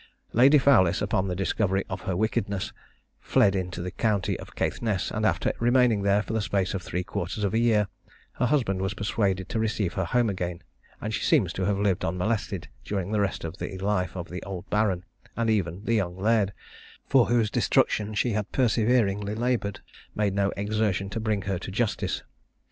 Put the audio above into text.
Lady Fowlis, upon the discovery of her wickedness, fled into the county of Caithness, and, after remaining there for the space of three quarters of a year, her husband was persuaded to receive her home again; and she seems to have lived unmolested during the rest of the life of the old baron; and even the young laird, for whose destruction she had perseveringly laboured, made no exertion to bring her to justice.